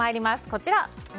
こちら。